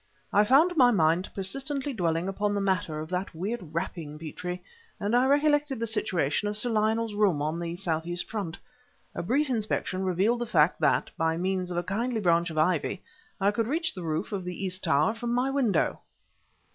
"I found my mind persistently dwelling upon the matter of that weird rapping, Petrie, and I recollected the situation of Sir Lionel's room, on the southeast front. A brief inspection revealed the fact that, by means of a kindly branch of ivy, I could reach the roof of the east tower from my window."